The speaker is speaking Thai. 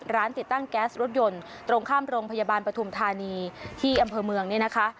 ติดตั้งแก๊สรถยนต์ตรงข้ามโรงพยาบาลปฐุมธานีที่อำเภอเมืองเนี่ยนะคะ